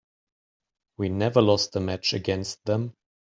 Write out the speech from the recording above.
We never lost a match against them.